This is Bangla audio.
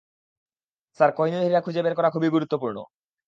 স্যার, কোহিনূর হীরা খুঁজে বের করা খুবই গুরুত্বপূর্ণ।